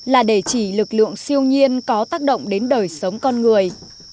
là để chỉ lực lượng siêu nhiên có tác động đến đời sống con người